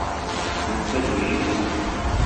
Omusajja oyo yeekaza nnyo.